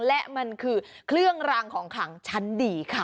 และมันคือเครื่องรางของขลังชั้นดีค่ะ